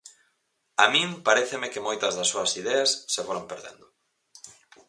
A min paréceme que moitas das súas ideas se foron perdendo.